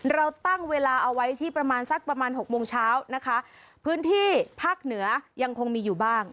เราตั้งเวลาเอาไว้ที่ประมาณสักประมาณหกโมงเช้านะคะพื้นที่ภาคเหนือยังคงมีอยู่บ้าง